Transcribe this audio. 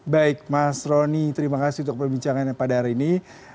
baik mas roni terima kasih untuk perbincangannya pada hari ini